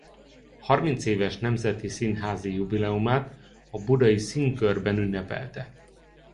Harmincéves nemzeti színházi jubileumát a Budai Színkörben ünnepelte.